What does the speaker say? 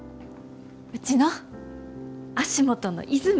うちの足元の泉！